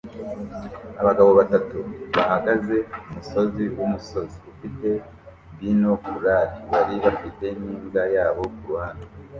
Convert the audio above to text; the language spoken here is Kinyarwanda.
Abagabo batatu bahagaze kumusozi wumusozi ufite binokulari bari bafite n'imbwa yabo kuruhande